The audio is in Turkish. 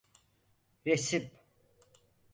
Resim…